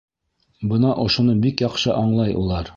Бына ошоно бик яҡшы аңлай улар...